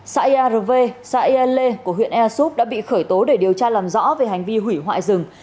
xã yarv xã yle của huyện easup đã bị khởi tố để điều tra làm rõ về hành vi hủy hoại rừng